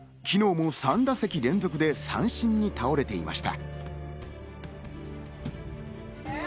昨日も３打席連続で三振に倒れていました。